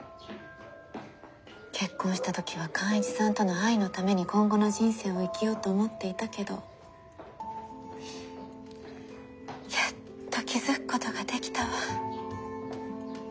結婚した時は寛一さんとの愛のために今後の人生を生きようと思っていたけどやっと気付くことができたわ。